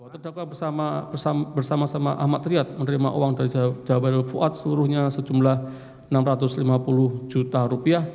terdakwa bersama sama ahmad riyad menerima uang dari jawa fuad seluruhnya sejumlah enam ratus lima puluh juta rupiah